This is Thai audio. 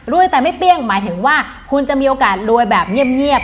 แต่ไม่เปรี้ยงหมายถึงว่าคุณจะมีโอกาสรวยแบบเงียบ